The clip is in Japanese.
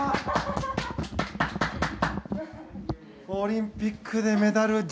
オリンピックでメダル！